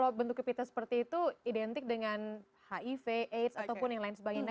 kalau bentuknya pita seperti itu identik dengan hiv aids ataupun yang lain sebagainya